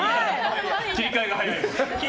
切り替えが早い。